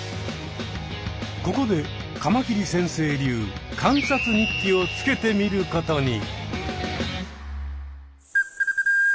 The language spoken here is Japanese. ここでカマキリ先生流観察日記をつけてみることに。